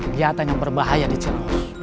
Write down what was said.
kegiatan yang berbahaya di cerau